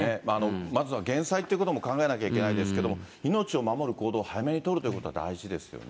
まずは減災ということも考えなきゃいけないですけど、命を守る行動を早めに取るということは大事ですよね。